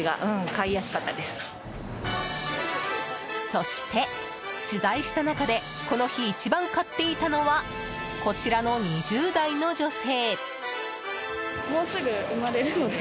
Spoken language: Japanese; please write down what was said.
そして取材した中でこの日、一番買っていたのはこちらの２０代の女性。